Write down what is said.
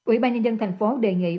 ủy ban nhân dân thành phố đề nghị